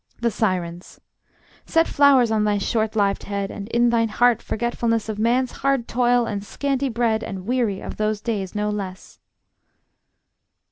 The Sirens: Set flowers on thy short lived head, And in thine heart forgetfulness Of man's hard toil, and scanty bread, And weary of those days no less.